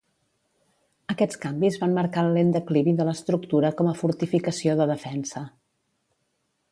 Aquests canvis van marcar el lent declivi de l'estructura com a fortificació de defensa.